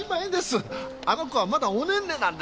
あの子はまだおねんねなんですから！